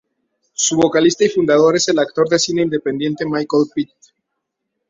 Su vocalista y fundador es el actor de cine independiente Michael Pitt.